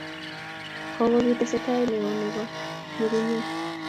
Kokobit tesatet neo nebo nyukunyeg